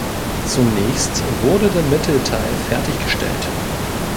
Zunächst wurde der Mittelteil fertiggestellt.